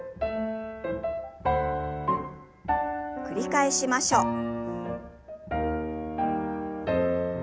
繰り返しましょう。